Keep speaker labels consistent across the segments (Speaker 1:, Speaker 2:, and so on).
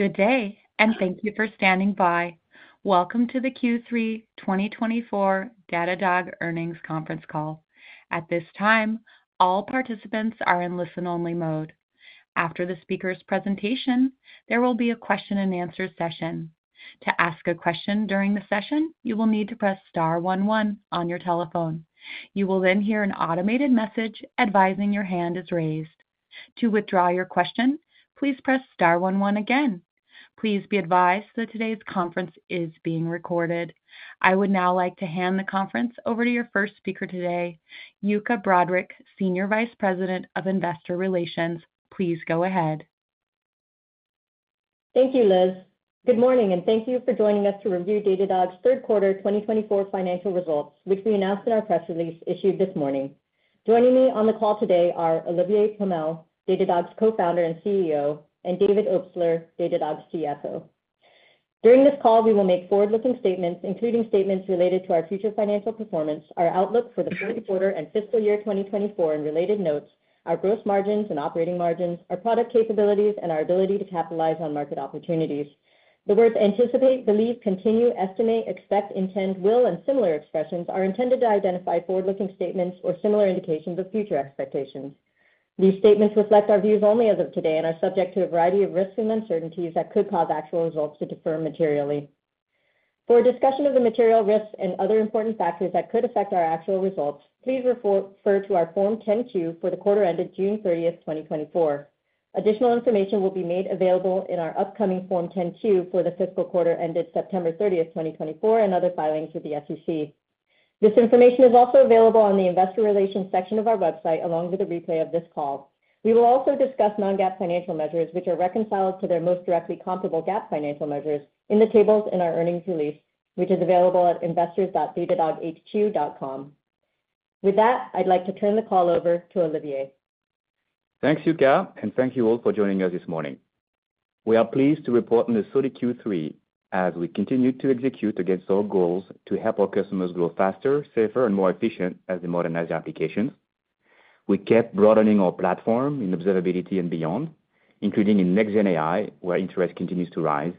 Speaker 1: Good day, and thank you for standing by. Welcome to the Q3 2024 Datadog earnings conference call. At this time, all participants are in listen-only mode. After the speaker's presentation, there will be a question-and-answer session. To ask a question during the session, you will need to press star one one on your telephone. You will then hear an automated message advising your hand is raised. To withdraw your question, please press star one one again. Please be advised that today's conference is being recorded. I would now like to hand the conference over to your first speaker today, Yuka Broderick, Senior Vice President of Investor Relations. Please go ahead.
Speaker 2: Thank you Liz. Good morning, and thank you for joining us to review Datadog's third quarter 2024 financial results, which we announced in our press release issued this morning. Joining me on the call today are Olivier Pomel, Datadog's Co-founder and CEO, and David Obstler, Datadog's CFO. During this call, we will make forward-looking statements, including statements related to our future financial performance, our outlook for the fourth quarter and fiscal year 2024 and related notes, our gross margins and operating margins, our product capabilities, and our ability to capitalize on market opportunities. The words anticipate, believe, continue, estimate, expect, intend, will, and similar expressions are intended to identify forward-looking statements or similar indications of future expectations. These statements reflect our views only as of today and are subject to a variety of risks and uncertainties that could cause actual results to differ materially. For a discussion of the material risks and other important factors that could affect our actual results, please refer to our Form 10-Q for the quarter ended June 30, 2024. Additional information will be made available in our upcoming Form 10-Q for the fiscal quarter ended September 30, 2024, and other filings with the SEC. This information is also available on the investor relations section of our website, along with a replay of this call. We will also discuss non-GAAP financial measures, which are reconciled to their most directly comparable GAAP financial measures, in the tables in our earnings release, which is available at investors.datadoghq.com. With that, I'd like to turn the call over to Olivier.
Speaker 3: Thanks Yuka, and thank you all for joining us this morning. We are pleased to report on the Q3 as we continue to execute against our goals to help our customers grow faster, safer, and more efficient as they modernize their applications. We kept broadening our platform in observability and beyond, including in Next Gen AI, where interest continues to rise,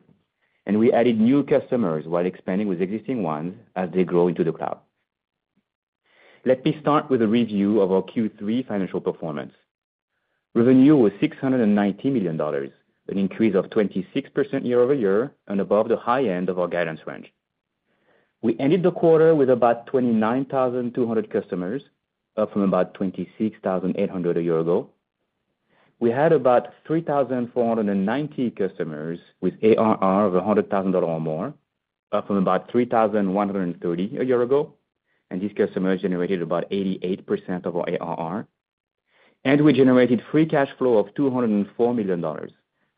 Speaker 3: and we added new customers while expanding with existing ones as they grow into the cloud. Let me start with a review of our Q3 financial performance. Revenue was $690 million, an increase of 26% year over year, and above the high end of our guidance range. We ended the quarter with about 29,200 customers, up from about 26,800 a year ago. We had about 3,490 customers with ARR of $100,000 or more, up from about 3,130 a year ago, and these customers generated about 88% of our ARR. We generated free cash flow of $204 million,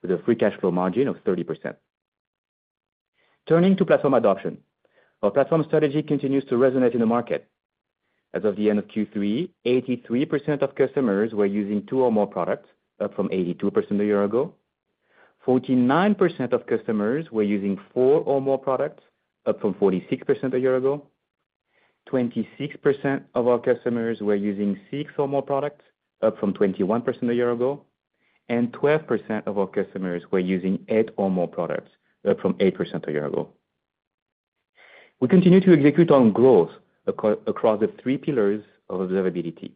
Speaker 3: with a free cash flow margin of 30%. Turning to platform adoption, our platform strategy continues to resonate in the market. As of the end of Q3, 83% of customers were using two or more products, up from 82% a year ago. 49% of customers were using four or more products, up from 46% a year ago. 26% of our customers were using six or more products, up from 21% a year ago. 12% of our customers were using eight or more products, up from 8% a year ago. We continue to execute on growth across the three pillars of observability.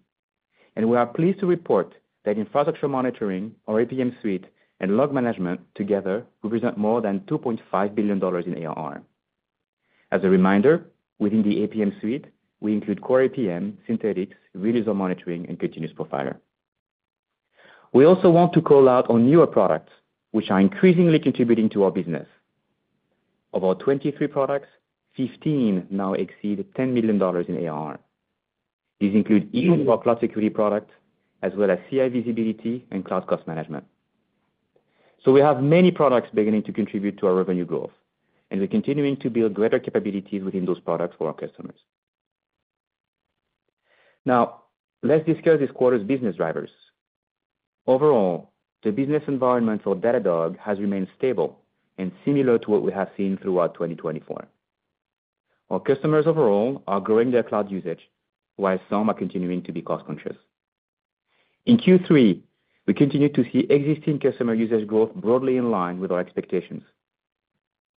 Speaker 3: We are pleased to report that infrastructure monitoring, our APM suite, and log management together represent more than $2.5 billion in ARR. As a reminder, within the APM suite, we include Core APM, Synthetics, Real User Monitoring, and Continuous Profiler. We also want to call out our newer products, which are increasingly contributing to our business. Of our 23 products, 15 now exceed $10 million in ARR. These include each of our cloud security products, as well as CI Visibility and Cloud Cost Management. So we have many products beginning to contribute to our revenue growth, and we're continuing to build greater capabilities within those products for our customers. Now, let's discuss this quarter's business drivers. Overall, the business environment for Datadog has remained stable and similar to what we have seen throughout 2024. Our customers overall are growing their cloud usage, while some are continuing to be cost-conscious. In Q3, we continued to see existing customer usage growth broadly in line with our expectations.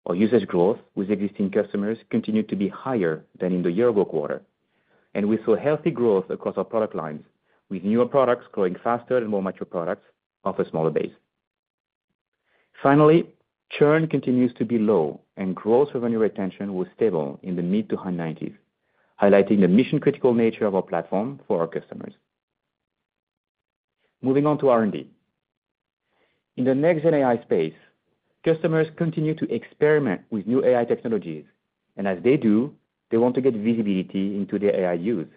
Speaker 3: Our usage growth with existing customers continued to be higher than in the year-over-year quarter, and we saw healthy growth across our product lines, with newer products growing faster than more mature products off a smaller base. Finally, churn continues to be low, and gross revenue retention was stable in the mid- to high-90s, highlighting the mission-critical nature of our platform for our customers. Moving on to R&D. In the Next Gen AI space, customers continue to experiment with new AI technologies, and as they do, they want to get visibility into their AI use.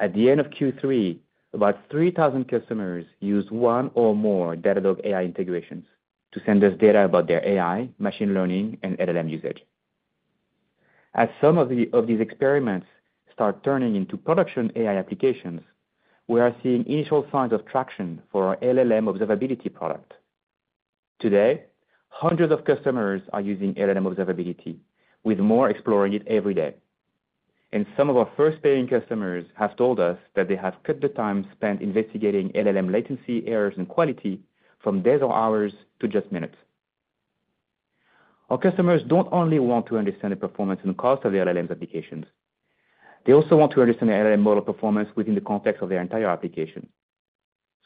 Speaker 3: At the end of Q3, about 3,000 customers used one or more Datadog AI integrations to send us data about their AI, machine learning, and LLM usage. As some of these experiments start turning into production AI applications, we are seeing initial signs of traction for our LLM observability product. Today, hundreds of customers are using LLM Observability, with more exploring it every day. And some of our first-paying customers have told us that they have cut the time spent investigating LLM latency, errors, and quality from days or hours to just minutes. Our customers don't only want to understand the performance and cost of their LLM applications. They also want to understand the LLM model performance within the context of their entire application.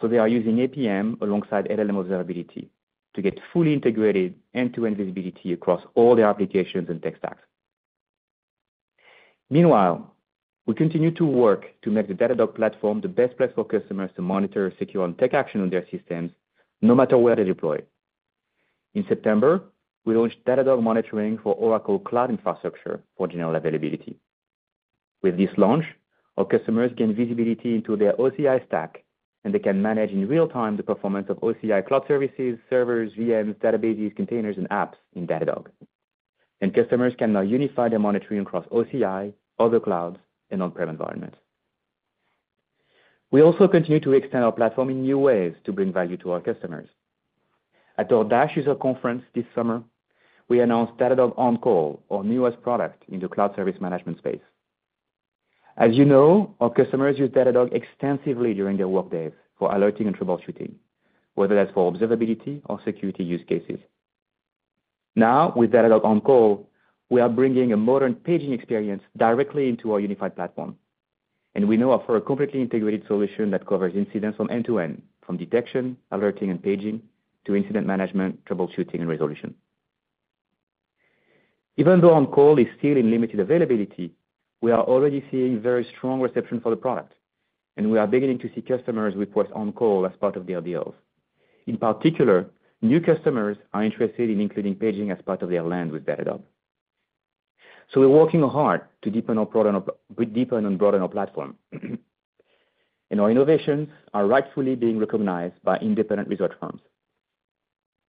Speaker 3: So they are using APM alongside LLM Observability to get fully integrated end-to-end visibility across all their applications and tech stacks. Meanwhile, we continue to work to make the Datadog platform the best place for customers to monitor, secure, and take action on their systems, no matter where they deploy. In September, we launched Datadog Monitoring for Oracle Cloud Infrastructure for general availability. With this launch, our customers gain visibility into their OCI stack, and they can manage in real time the performance of OCI cloud services, servers, VMs, databases, containers, and apps in Datadog. And customers can now unify their monitoring across OCI, other clouds, and on-prem environments. We also continue to extend our platform in new ways to bring value to our customers. At our DASH User Conference this summer, we announced Datadog On-Call, our newest product in the cloud service management space. As you know, our customers use Datadog extensively during their workdays for alerting and troubleshooting, whether that's for observability or security use cases. Now, with Datadog On-Call, we are bringing a modern paging experience directly into our unified platform. And we now offer a completely integrated solution that covers incidents from end to end, from detection, alerting, and paging to incident management, troubleshooting, and resolution. Even though On Call is still in limited availability, we are already seeing very strong reception for the product, and we are beginning to see customers request On Call as part of their deals. In particular, new customers are interested in including paging as part of their plans with Datadog. So we're working hard to deepen and broaden our platform. And our innovations are rightfully being recognized by independent research firms.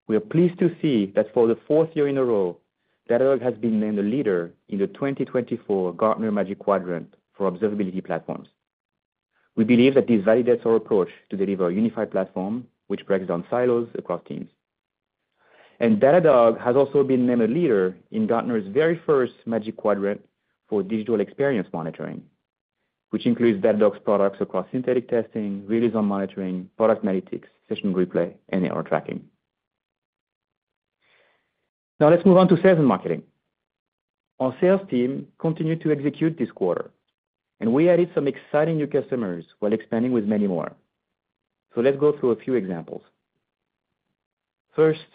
Speaker 3: We are pleased to see that for the fourth year in a row, Datadog has been named a leader in the 2024 Gartner Magic Quadrant for observability platforms. We believe that this validates our approach to deliver a unified platform, which breaks down silos across teams. Datadog has also been named a leader in Gartner's very first Magic Quadrant for digital experience monitoring, which includes Datadog's products across synthetic testing, real user monitoring, product analytics, session replay, and AR tracking. Now, let's move on to sales and marketing. Our sales team continued to execute this quarter, and we added some exciting new customers while expanding with many more. Let's go through a few examples. First,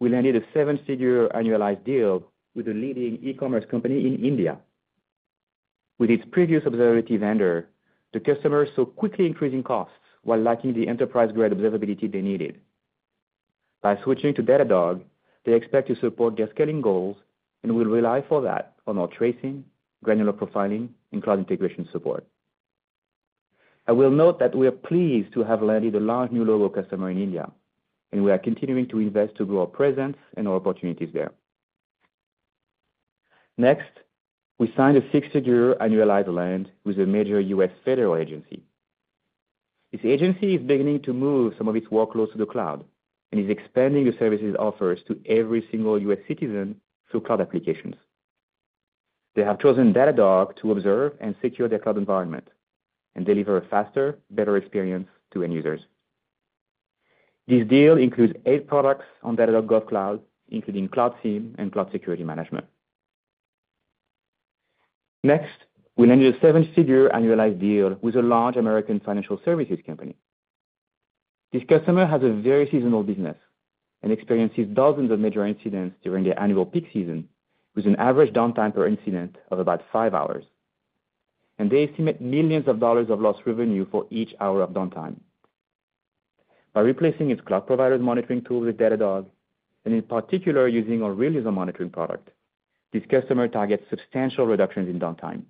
Speaker 3: we landed a seven-figure annualized deal with a leading e-commerce company in India. With its previous observability vendor, the customers saw quickly increasing costs while lacking the enterprise-grade observability they needed. By switching to Datadog, they expect to support their scaling goals and will rely for that on our tracing, granular profiling, and cloud integration support. I will note that we are pleased to have landed a large new logo customer in India, and we are continuing to invest to grow our presence and our opportunities there. Next, we signed a six-figure annualized deal with a major U.S. federal agency. This agency is beginning to move some of its workloads to the cloud and is expanding the services it offers to every single U.S. citizen through cloud applications. They have chosen Datadog to observe and secure their cloud environment and deliver a faster, better experience to end users. This deal includes eight products on Datadog GovCloud, including Cloud SIEM and Cloud Security Management. Next, we landed a seven-figure annualized deal with a large American financial services company. This customer has a very seasonal business and experiences dozens of major incidents during their annual peak season, with an average downtime per incident of about five hours. And they estimate millions of dollars of lost revenue for each hour of downtime. By replacing its cloud provider's monitoring tools with Datadog, and in particular using our Real User Monitoring product, this customer targets substantial reductions in downtime.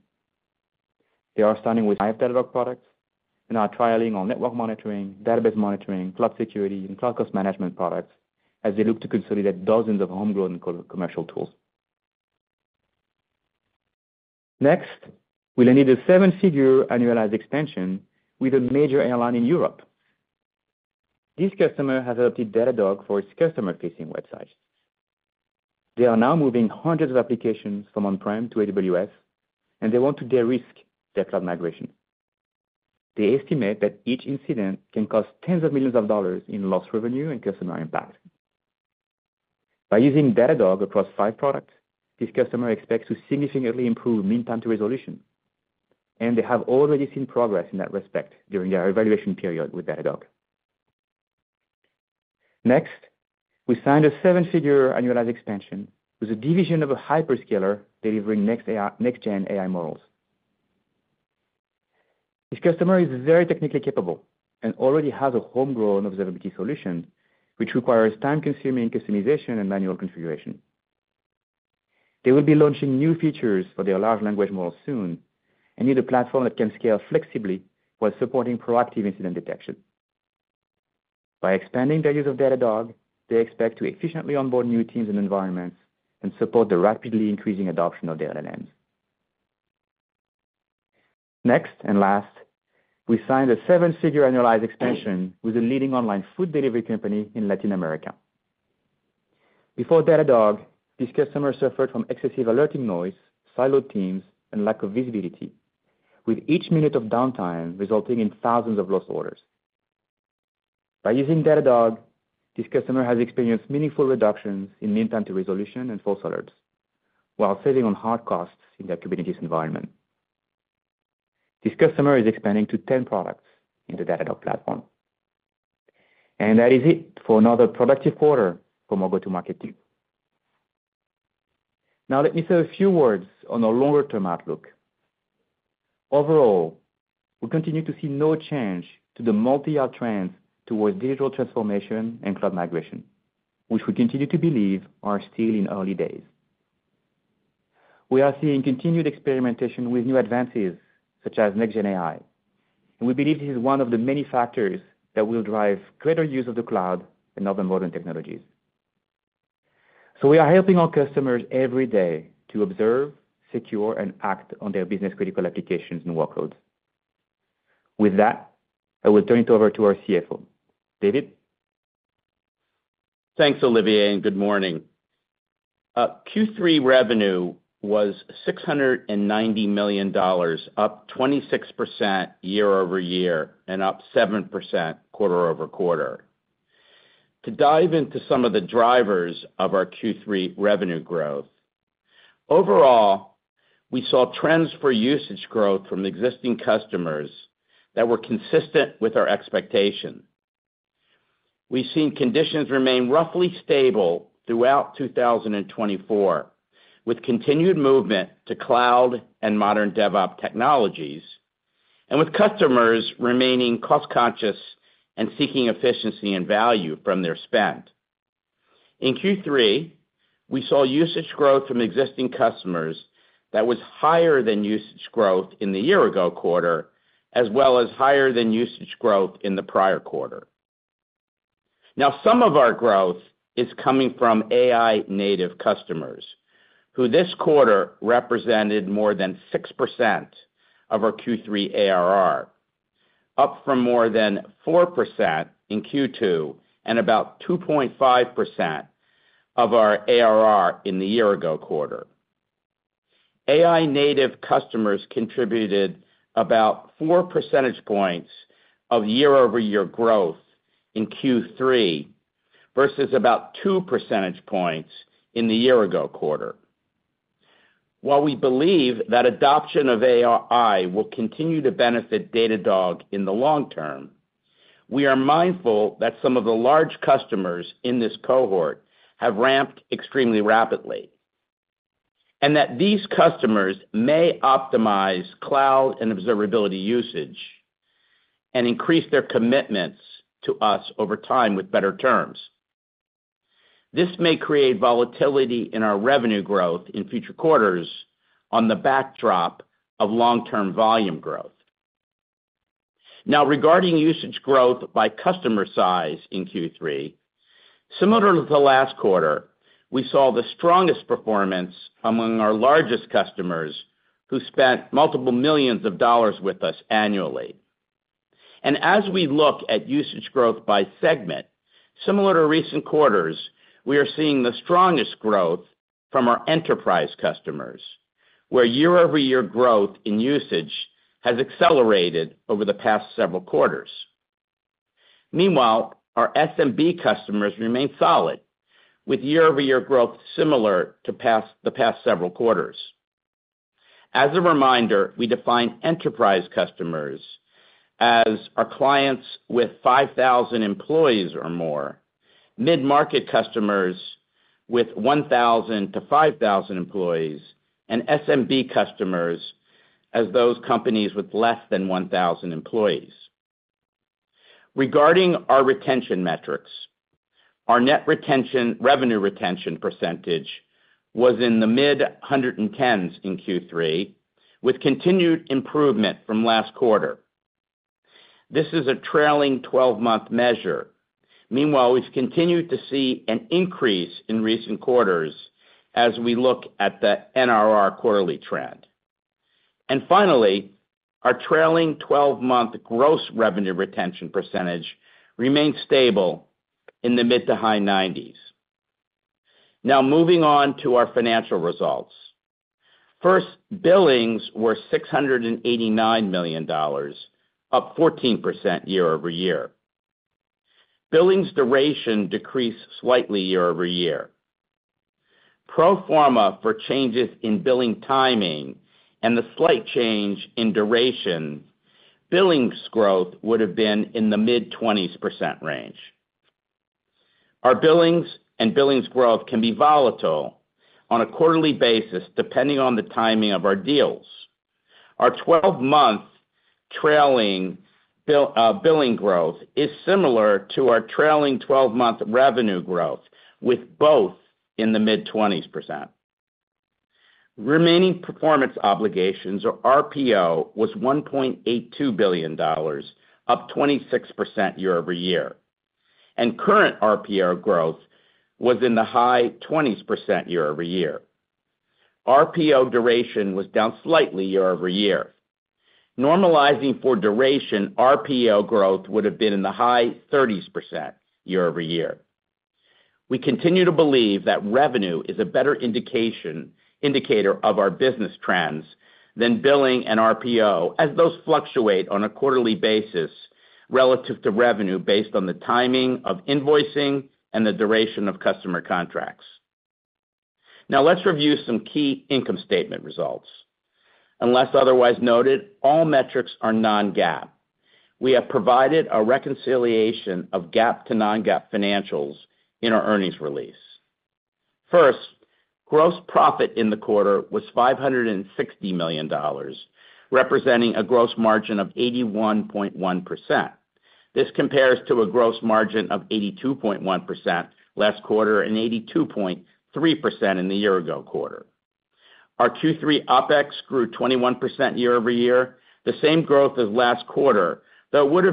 Speaker 3: They are starting with five Datadog products and are trialing our network monitoring, Database Monitoring, cloud security, and Cloud Cost Management products as they look to consolidate dozens of homegrown commercial tools. Next, we landed a seven-figure annualized expansion with a major airline in Europe. This customer has adopted Datadog for its customer-facing websites. They are now moving hundreds of applications from on-prem to AWS, and they want to de-risk their cloud migration. They estimate that each incident can cost tens of millions of dollars in lost revenue and customer impact. By using Datadog across five products, this customer expects to significantly improve Mean Time to Resolution, and they have already seen progress in that respect during their evaluation period with Datadog. Next, we signed a seven-figure annualized expansion with a division of a hyperscaler delivering Next Gen AI models. This customer is very technically capable and already has a homegrown observability solution, which requires time-consuming customization and manual configuration. They will be launching new features for their Large Language Models soon and need a platform that can scale flexibly while supporting proactive incident detection. By expanding their use of Datadog, they expect to efficiently onboard new teams and environments and support the rapidly increasing adoption of their LLMs. Next and last, we signed a seven-figure annualized expansion with a leading online food delivery company in Latin America. Before Datadog, this customer suffered from excessive alerting noise, siloed teams, and lack of visibility, with each minute of downtime resulting in thousands of lost orders. By using Datadog, this customer has experienced meaningful reductions in mean time to resolution and false alerts, while saving on hard costs in their Kubernetes environment. This customer is expanding to 10 products in the Datadog platform. And that is it for another productive quarter from our go-to-market team. Now, let me say a few words on our longer-term outlook. Overall, we continue to see no change to the multi-year trends towards digital transformation and cloud migration, which we continue to believe are still in early days. We are seeing continued experimentation with new advances such as Next Gen AI. And we believe this is one of the many factors that will drive greater use of the cloud and other modern technologies. So we are helping our customers every day to observe, secure, and act on their business-critical applications and workloads. With that, I will turn it over to our CFO. David? Thanks, Olivier, and good morning. Q3 revenue was $690 million, up 26% year-over-year and up 7% quarter-over-quarter. To dive into some of the drivers of our Q3 revenue growth, overall, we saw trends for usage growth from existing customers that were consistent with our expectation. We've seen conditions remain roughly stable throughout 2024, with continued movement to cloud and modern DevOps technologies, and with customers remaining cost-conscious and seeking efficiency and value from their spend. In Q3, we saw usage growth from existing customers that was higher than usage growth in the year-ago quarter, as well as higher than usage growth in the prior quarter. Now, some of our growth is coming from AI-native customers, who this quarter represented more than 6% of our Q3 ARR, up from more than 4% in Q2 and about 2.5% of our ARR in the year-ago quarter. AI-native customers contributed about four percentage points of year-over-year growth in Q3 versus about two percentage points in the year-ago quarter. While we believe that adoption of AI will continue to benefit Datadog in the long term, we are mindful that some of the large customers in this cohort have ramped extremely rapidly, and that these customers may optimize cloud and observability usage and increase their commitments to us over time with better terms. This may create volatility in our revenue growth in future quarters on the backdrop of long-term volume growth. Now, regarding usage growth by customer size in Q3, similar to the last quarter, we saw the strongest performance among our largest customers who spent multiple millions of dollars with us annually. And as we look at usage growth by segment, similar to recent quarters, we are seeing the strongest growth from our enterprise customers, where year-over-year growth in usage has accelerated over the past several quarters. Meanwhile, our SMB customers remain solid, with year-over-year growth similar to the past several quarters. As a reminder, we define enterprise customers as our clients with 5,000 employees or more, mid-market customers with 1,000 to 5,000 employees, and SMB customers as those companies with less than 1,000 employees. Regarding our retention metrics, our net revenue retention percentage was in the mid-110s in Q3, with continued improvement from last quarter. This is a trailing 12-month measure. Meanwhile, we've continued to see an increase in recent quarters as we look at the NRR quarterly trend. And finally, our trailing 12-month gross revenue retention percentage remained stable in the mid- to high-90s. Now, moving on to our financial results. First, billings were $689 million, up 14% year-over-year. Billings duration decreased slightly year-over-year. Pro forma for changes in billing timing and the slight change in duration, billings growth would have been in the mid-20s% range. Our billings and billings growth can be volatile on a quarterly basis depending on the timing of our deals. Our 12-month trailing billing growth is similar to our trailing 12-month revenue growth, with both in the mid-20s%. Remaining performance obligations, or RPO, was $1.82 billion, up 26% year-over-year. And current RPO growth was in the high-20s% year-over-year. RPO duration was down slightly year-over-year. Normalizing for duration, RPO growth would have been in the high 30s% year-over-year. We continue to believe that revenue is a better indicator of our business trends than billing and RPO, as those fluctuate on a quarterly basis relative to revenue based on the timing of invoicing and the duration of customer contracts. Now, let's review some key income statement results. Unless otherwise noted, all metrics are non-GAAP. We have provided a reconciliation of GAAP to non-GAAP financials in our earnings release. First, gross profit in the quarter was $560 million, representing a gross margin of 81.1%. This compares to a gross margin of 82.1% last quarter and 82.3% in the year-ago quarter. Our Q3 OpEx grew 21% year-over-year, the same growth as last quarter, though it would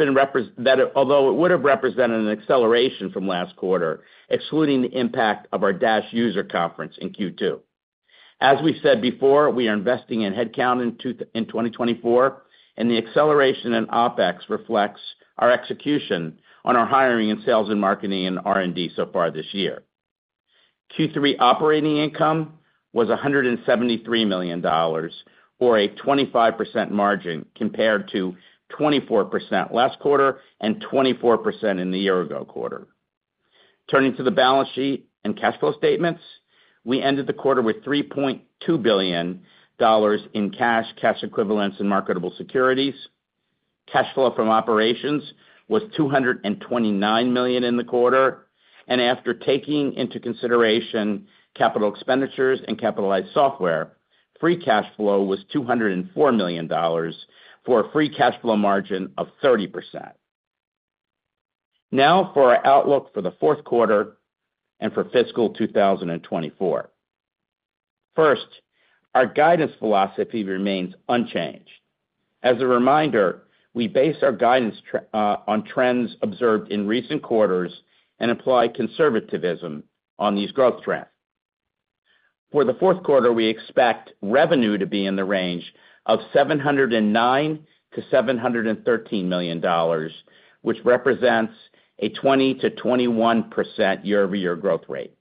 Speaker 3: have represented an acceleration from last quarter, excluding the impact of our DASH User Conference in Q2. As we've said before, we are investing in headcount in 2024, and the acceleration in OpEx reflects our execution on our hiring and sales and marketing and R&D so far this year. Q3 operating income was $173 million, or a 25% margin compared to 24% last quarter and 24% in the year-ago quarter. Turning to the balance sheet and cash flow statements, we ended the quarter with $3.2 billion in cash, cash equivalents, and marketable securities. Cash flow from operations was $229 million in the quarter. And after taking into consideration capital expenditures and capitalized software, free cash flow was $204 million for a free cash flow margin of 30%. Now, for our outlook for the fourth quarter and for fiscal 2024. First, our guidance philosophy remains unchanged. As a reminder, we base our guidance on trends observed in recent quarters and apply conservatism on these growth trends. For the fourth quarter, we expect revenue to be in the range of $709-$713 million, which represents a 20%-21% year-over-year growth rate.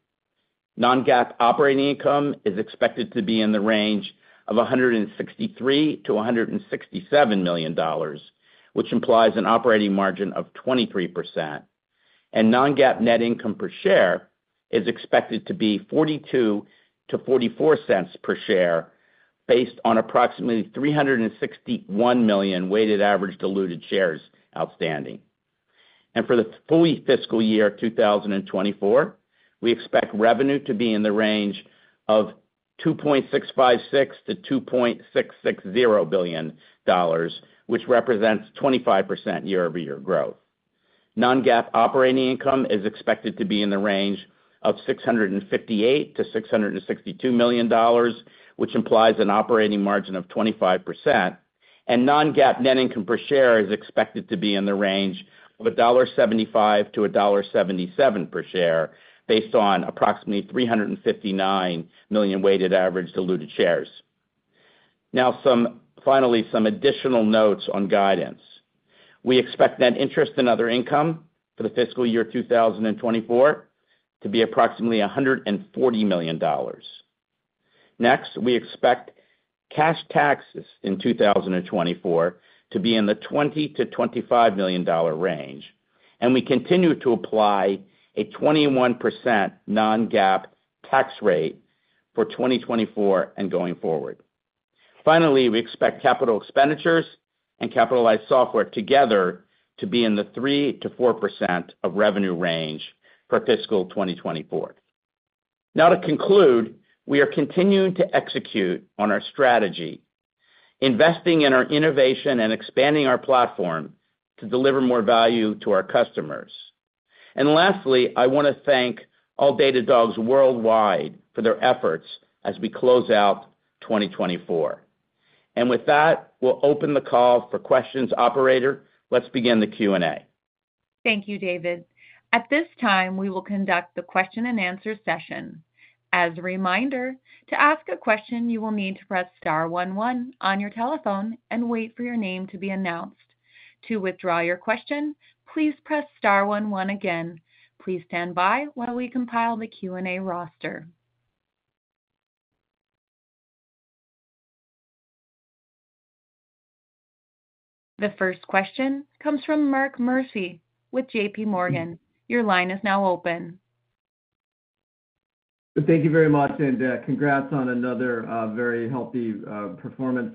Speaker 3: Non-GAAP operating income is expected to be in the range of $163-$167 million, which implies an operating margin of 23%. And non-GAAP net income per share is expected to be $0.42-$0.44 per share based on approximately 361 million weighted average diluted shares outstanding. And for the full fiscal year 2024, we expect revenue to be in the range of $2.656-$2.660 billion, which represents 25% year-over-year growth. Non-GAAP operating income is expected to be in the range of $658million-$662 million, which implies an operating margin of 25%, and non-GAAP net income per share is expected to be in the range of $1.75-$1.77 per share based on approximately 359 million weighted average diluted shares. Now, finally, some additional notes on guidance. We expect net interest and other income for the fiscal year 2024 to be approximately $140 million. Next, we expect cash taxes in 2024 to be in the $20million-$25 million range, and we continue to apply a 21% non-GAAP tax rate for 2024 and going forward. Finally, we expect capital expenditures and capitalized software together to be in the 3%-4% of revenue range for fiscal 2024. Now, to conclude, we are continuing to execute on our strategy, investing in our innovation and expanding our platform to deliver more value to our customers. And lastly, I want to thank all Datadogs worldwide for their efforts as we close out 2024. And with that, we'll open the call for questions. Operator, let's begin the Q&A.
Speaker 1: Thank you David. At this time, we will conduct the question and answer session. As a reminder, to ask a question, you will need to press star one one on your telephone and wait for your name to be announced. To withdraw your question, please press star one one again. Please stand by while we compile the Q&A roster. The first question comes from Mark Murphy with JPMorgan. Your line is now open.
Speaker 4: Thank you very much, and congrats on another very healthy performance.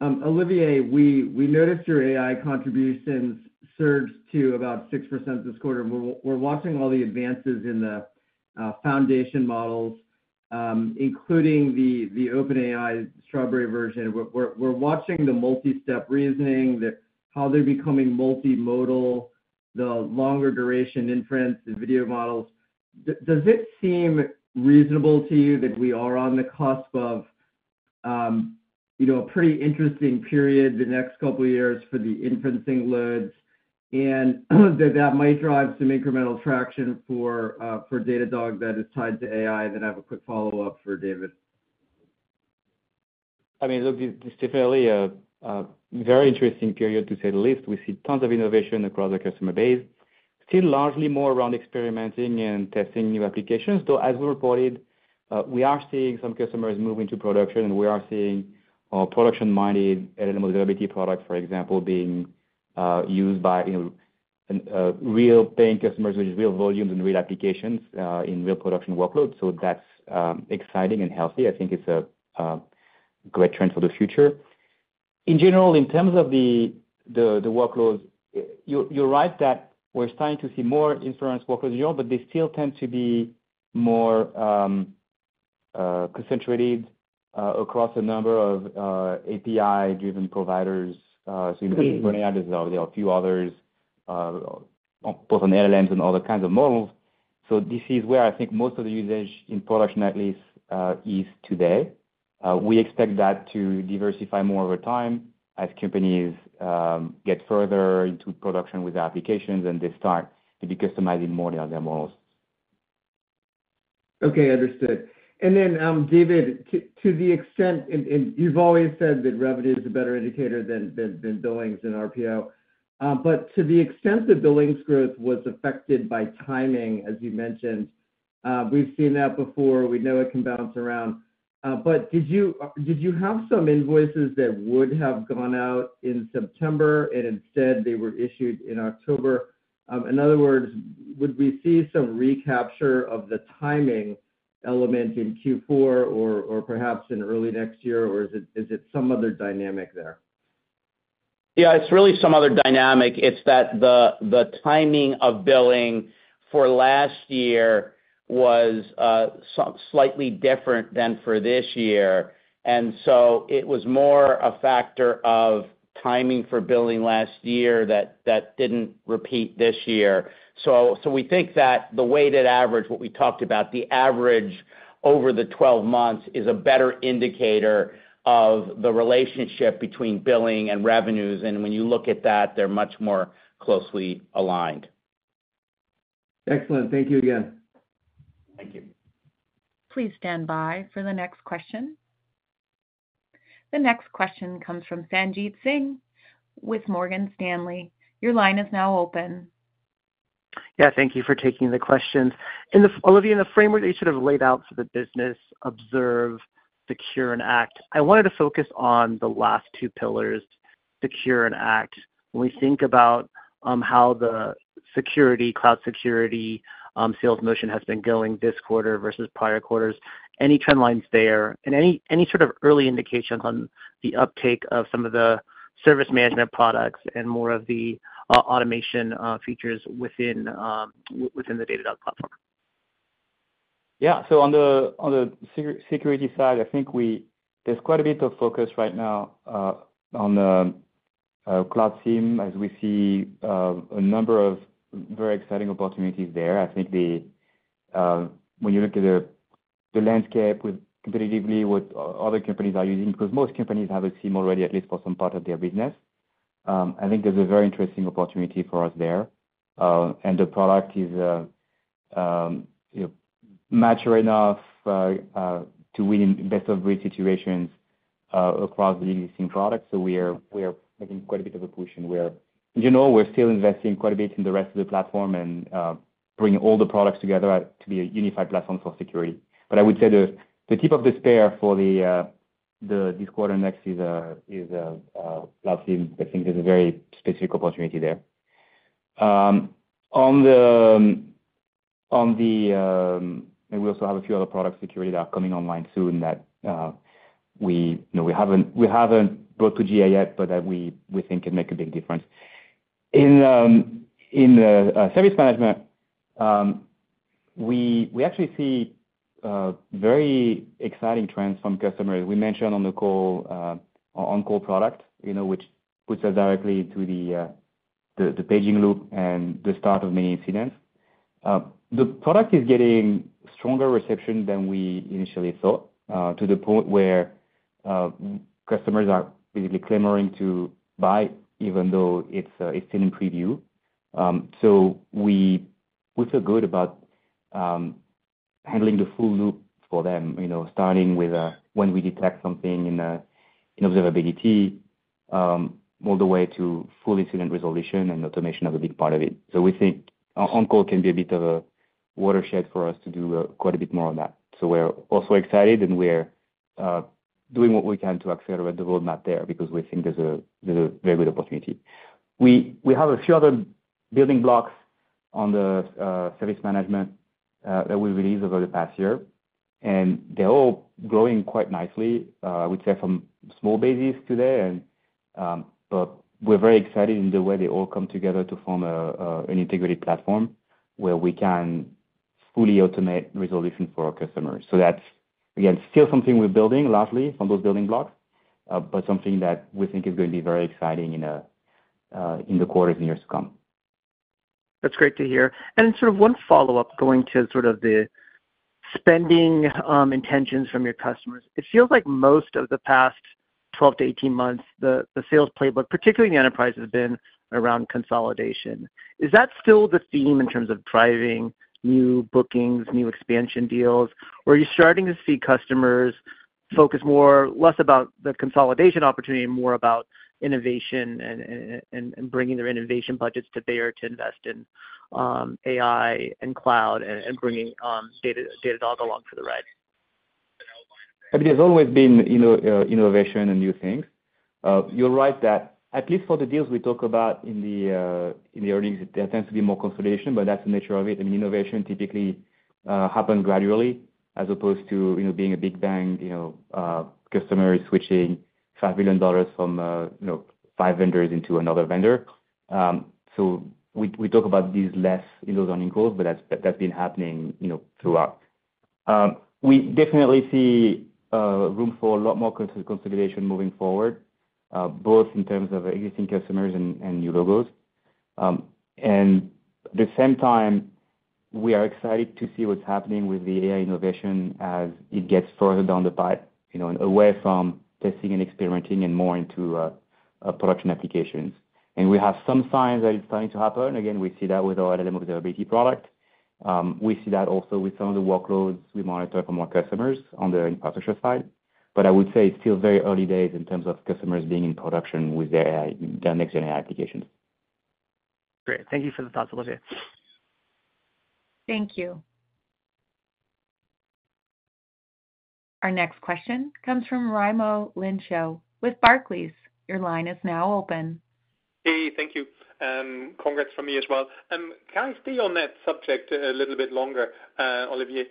Speaker 4: Olivier, we noticed your AI contributions surged to about 6% this quarter. We're watching all the advances in the foundation models, including the OpenAI Strawberry version. We're watching the multi-step reasoning, how they're becoming multimodal, the longer duration inference, the video models. Does it seem reasonable to you that we are on the cusp of a pretty interesting period the next couple of years for the inferencing loads and that that might drive some incremental traction for Datadog that is tied to AI? Then I have a quick follow-up for David.
Speaker 3: I mean, look, it's definitely a very interesting period, to say the least. We see tons of innovation across the customer base, still largely more around experimenting and testing new applications. Though, as we reported, we are seeing some customers move into production, and we are seeing production-minded LLM observability products, for example, being used by real paying customers with real volumes and real applications in real production workloads. So that's exciting and healthy. I think it's a great trend for the future. In general, in terms of the workloads, you're right that we're starting to see more inference workloads in general, but they still tend to be more concentrated across a number of API-driven providers. So you mentioned OpenAI; there are a few others, both on LLMs and other kinds of models. So this is where I think most of the usage in production, at least, is today. We expect that to diversify more over time as companies get further into production with applications and they start maybe customizing more of their models.
Speaker 4: Okay, understood. And then, David, to the extent, and you've always said that revenue is a better indicator than billings and RPO, but to the extent that billings growth was affected by timing, as you mentioned, we've seen that before. We know it can bounce around. But did you have some invoices that would have gone out in September and instead they were issued in October? In other words, would we see some recapture of the timing element in Q4 or perhaps in early next year, or is it some other dynamic there?
Speaker 5: Yeah, it's really some other dynamic. It's that the timing of billing for last year was slightly different than for this year. And so it was more a factor of timing for billing last year that didn't repeat this year. So we think that the weighted average, what we talked about, the average over the 12 months is a better indicator of the relationship between billing and revenues. And when you look at that, they're much more closely aligned.
Speaker 4: Excellent. Thank you again.
Speaker 3: Thank you.
Speaker 1: Please stand by for the next question. The next question comes from Sanjit Singh with Morgan Stanley. Your line is now open.
Speaker 6: Yeah, thank you for taking the questions. Olivier, in the framework that you sort of laid out for the business, observe, secure, and act, I wanted to focus on the last two pillars: secure and act. When we think about how the security, cloud security, sales motion has been going this quarter versus prior quarters, any trend lines there, and any sort of early indications on the uptake of some of the service management products and more of the automation features within the Datadog platform?
Speaker 3: Yeah. So on the security side, I think there's quite a bit of focus right now on the cloud SIEM, as we see a number of very exciting opportunities there. I think when you look at the landscape competitively with other companies that are using, because most companies have a SIEM already, at least for some part of their business, I think there's a very interesting opportunity for us there, and the product is mature enough to win in best-of-breed situations across the existing products. So we are making quite a bit of a push in where, in general, we're still investing quite a bit in the rest of the platform and bringing all the products together to be a unified platform for security. But I would say the tip of the spear for this quarter next is Cloud SIEM. I think there's a very specific opportunity there. And we also have a few other product security that are coming online soon that we haven't brought to GA yet, but that we think can make a big difference. In the service management, we actually see very exciting trends from customers. We mentioned on the call on-call product, which puts us directly into the paging loop and the start of many incidents. The product is getting stronger reception than we initially thought, to the point where customers are basically clamoring to buy, even though it's still in preview. So we feel good about handling the full loop for them, starting with when we detect something in observability all the way to full incident resolution and automation of a big part of it. So we think on-call can be a bit of a watershed for us to do quite a bit more on that. So we're also excited, and we're doing what we can to accelerate the roadmap there because we think there's a very good opportunity. We have a few other building blocks on the service management that we released over the past year, and they're all growing quite nicely, I would say, from small bases today. But we're very excited in the way they all come together to form an integrated platform where we can fully automate resolution for our customers. So that's, again, still something we're building largely from those building blocks, but something that we think is going to be very exciting in the quarters and years to come.
Speaker 6: That's great to hear. And sort of one follow-up going to sort of the spending intentions from your customers. It feels like most of the past 12months-18 months, the sales playbook, particularly in the enterprise, has been around consolidation. Is that still the theme in terms of driving new bookings, new expansion deals, or are you starting to see customers focus more or less about the consolidation opportunity and more about innovation and bringing their innovation budgets to bear to invest in AI and cloud and bringing Datadog along for the ride?
Speaker 3: I mean, there's always been innovation and new things. You're right that at least for the deals we talk about in the earnings, there tends to be more consolidation, but that's the nature of it. I mean, innovation typically happens gradually as opposed to being a big bang. Customers switching $5 million from five vendors into another vendor. So we talk about this less in those earnings calls, but that's been happening throughout. We definitely see room for a lot more consolidation moving forward, both in terms of existing customers and new logos. And at the same time, we are excited to see what's happening with the AI innovation as it gets further down the pipe and away from testing and experimenting and more into production applications. And we have some signs that it's starting to happen. Again, we see that with our LLM Observability product. We see that also with some of the workloads we monitor for more customers on the infrastructure side, but I would say it's still very early days in terms of customers being in production with their next-gen AI applications.
Speaker 6: Great. Thank you for the thoughts, Olivier.
Speaker 1: Thank you. Our next question comes from Raimo Lenschow with Barclays. Your line is now open.
Speaker 7: Hey, thank you. Congrats from me as well. Can I stay on that subject a little bit longer, Olivier?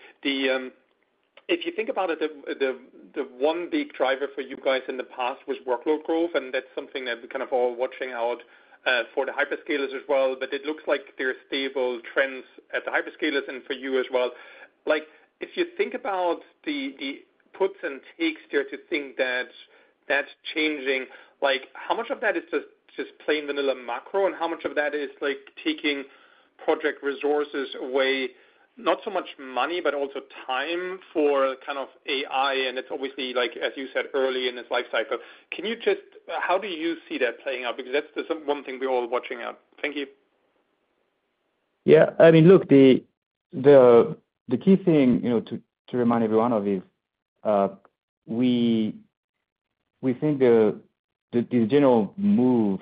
Speaker 7: If you think about it, the one big driver for you guys in the past was workload growth, and that's something that we're kind of all watching out for the hyperscalers as well, but it looks like there are stable trends at the hyperscalers and for you as well. If you think about the puts and takes there to think that that's changing, how much of that is just plain vanilla macro, and how much of that is taking project resources away, not so much money, but also time for kind of AI? And it's obviously, as you said, early in its lifecycle. How do you see that playing out? Because that's the one thing we're all watching out. Thank you.
Speaker 3: Yeah. I mean, look, the key thing to remind everyone of is we think that this general move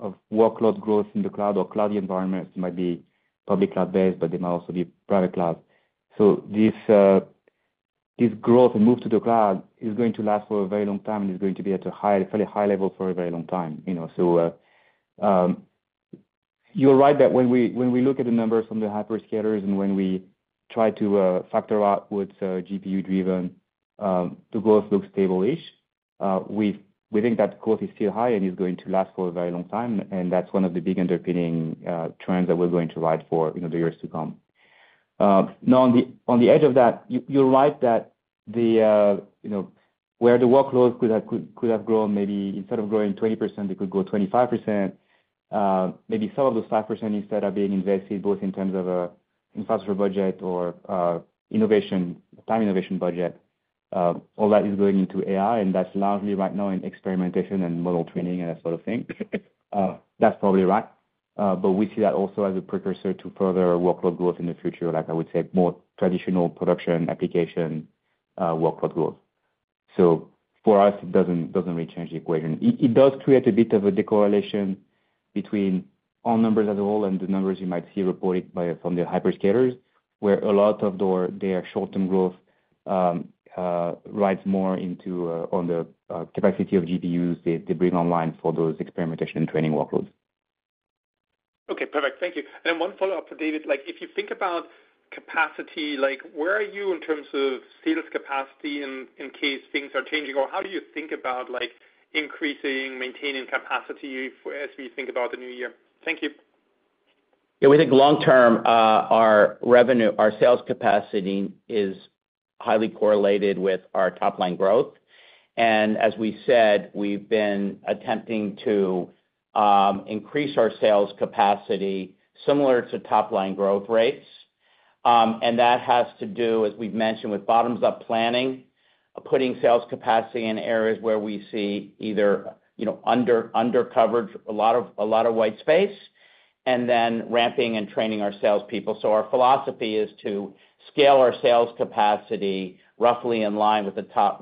Speaker 3: of workload growth in the cloud or cloud environments might be public cloud-based, but they might also be private cloud. So this growth and move to the cloud is going to last for a very long time, and it's going to be at a fairly high level for a very long time. So you're right that when we look at the numbers on the hyperscalers and when we try to factor out what's GPU-driven, the growth looks stable-ish. We think that growth is still high and is going to last for a very long time. And that's one of the big underpinning trends that we're going to ride for in the years to come. Now, on the edge of that, you're right that where the workload could have grown, maybe instead of growing 20%, it could grow 25%. Maybe some of those 5% instead are being invested both in terms of infrastructure budget or time innovation budget. All that is going into AI, and that's largely right now in experimentation and model training and that sort of thing. That's probably right. But we see that also as a precursor to further workload growth in the future, like I would say, more traditional production application workload growth. So for us, it doesn't really change the equation. It does create a bit of a decorrelation between all numbers as well and the numbers you might see reported from the hyperscalers, where a lot of their short-term growth rides more into on the capacity of GPUs they bring online for those experimentation and training workloads.
Speaker 7: Okay, perfect. Thank you. And then one follow-up for David. If you think about capacity, where are you in terms of sales capacity in case things are changing, or how do you think about increasing, maintaining capacity as we think about the new year? Thank you.
Speaker 5: Yeah, we think long-term our sales capacity is highly correlated with our top-line growth. And as we said, we've been attempting to increase our sales capacity similar to top-line growth rates. And that has to do, as we've mentioned, with bottoms-up planning, putting sales capacity in areas where we see either undercovered, a lot of white space, and then ramping and training our salespeople. So our philosophy is to scale our sales capacity roughly in line with the top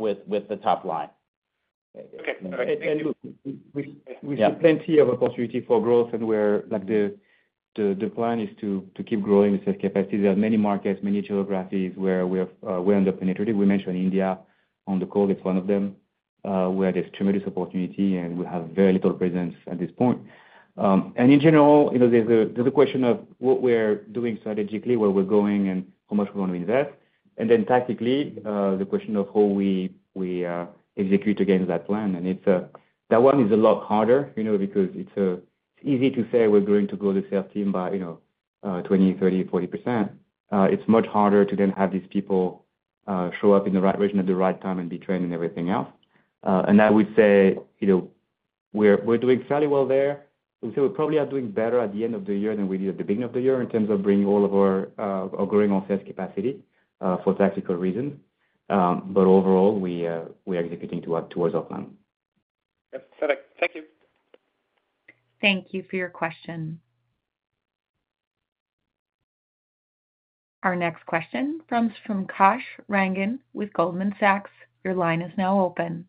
Speaker 5: line. Okay. Thank you. We see plenty of opportunity for growth, and the plan is to keep growing the sales capacity. There are many markets, many geographies where we're under penetrating. We mentioned India on the call. It's one of them where there's tremendous opportunity, and we have very little presence at this point. And in general, there's a question of what we're doing strategically, where we're going, and how much we want to invest. And then tactically, the question of how we execute against that plan. That one is a lot harder because it's easy to say we're going to grow the sales team by 20%, 30%, 40%. It's much harder to then have these people show up in the right region at the right time and be trained and everything else. I would say we're doing fairly well there. We probably are doing better at the end of the year than we did at the beginning of the year in terms of bringing all of our growing on-site capacity for tactical reasons. But overall, we are executing towards our plan.
Speaker 7: Yep. Perfect. Thank you.
Speaker 1: Thank you for your question. Our next question comes from Kash Rangan with Goldman Sachs. Your line is now open.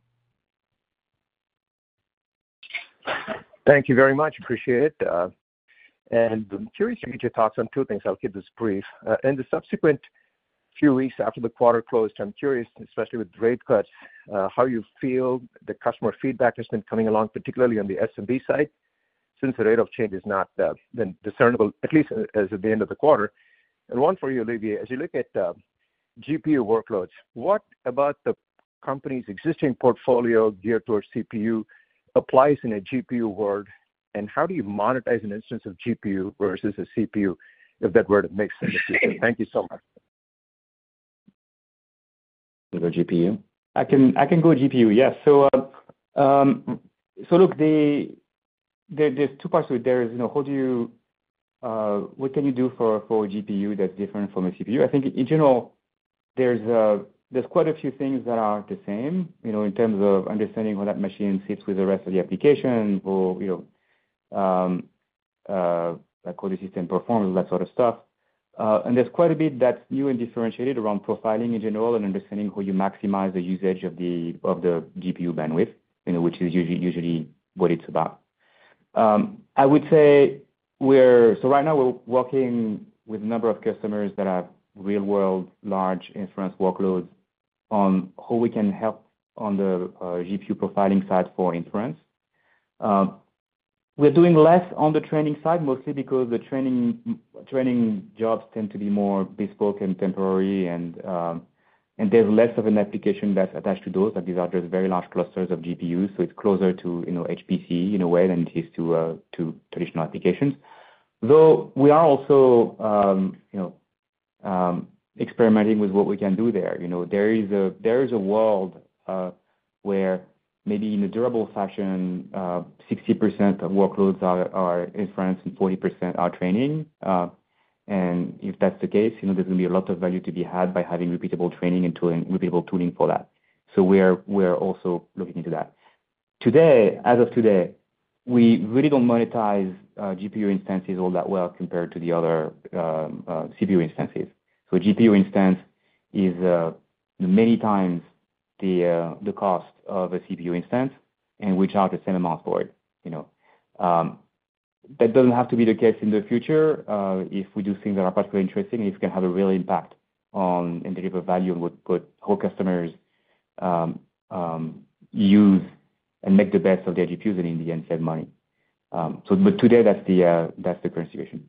Speaker 8: Thank you very much. Appreciate it. I'm curious if you could just talk about two things. I'll keep this brief. In the subsequent few weeks after the quarter closed, I'm curious, especially with rate cuts, how you feel the customer feedback has been coming along, particularly on the SMB side, since the rate of change is not yet discernible, at least as of the end of the quarter. And one for you, Olivier, as you look at GPU workloads, what about the company's existing portfolio geared towards CPU applies in a GPU world, and how do you monetize an instance of GPU versus a CPU, if that makes sense to you? Thank you so much.
Speaker 3: GPU? I can go GPU. Yes. So look, there's two parts to it. There is what can you do for a GPU that's different from a CPU? I think in general, there's quite a few things that are the same in terms of understanding how that machine sits with the rest of the application or how the system performs, that sort of stuff, and there's quite a bit that's new and differentiated around profiling in general and understanding how you maximize the usage of the GPU bandwidth, which is usually what it's about. I would say we're, so right now, we're working with a number of customers that have real-world large inference workloads on how we can help on the GPU profiling side for inference. We're doing less on the training side, mostly because the training jobs tend to be more bespoke and temporary, and there's less of an application that's attached to those. These are just very large clusters of GPUs, so it's closer to HPC in a way than it is to traditional applications. Though we are also experimenting with what we can do there. There is a world where maybe in a durable fashion, 60% of workloads are inference and 40% are training. And if that's the case, there's going to be a lot of value to be had by having repeatable training and repeatable tooling for that. So we're also looking into that. Today, as of today, we really don't monetize GPU instances all that well compared to the other CPU instances. So a GPU instance is many times the cost of a CPU instance, and we charge the same amount for it. That doesn't have to be the case in the future if we do things that are particularly interesting and if we can have a real impact and deliver value and what our customers use and make the best of their GPUs and in the end save money. But today, that's the current situation.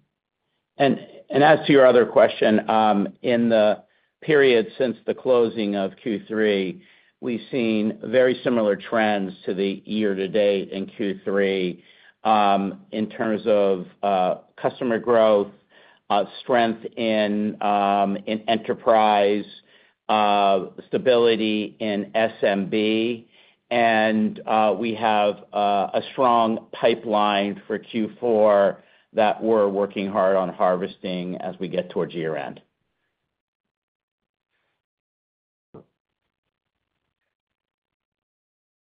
Speaker 3: And as to your other question, in the period since the closing of Q3, we've seen very similar trends to the year to date in Q3 in terms of customer growth, strength in enterprise, stability in SMB, and we have a strong pipeline for Q4 that we're working hard on harvesting as we get towards year-end.